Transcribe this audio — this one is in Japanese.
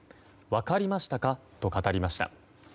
分かりましたか、と語りました。